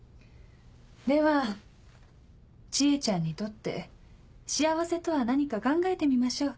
では知恵ちゃんにとって幸せとは何か考えてみましょう。